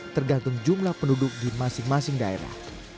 tergantung jumlah penduduk di masing masing daerah